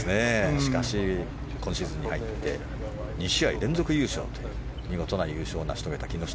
しかし今シーズンに入って２試合連続優勝という見事な優勝を成し遂げた木下。